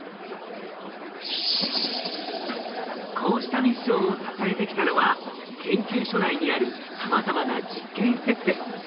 こうしたミッションを支えてきたのは研究所内にあるさまざまな実験施設です。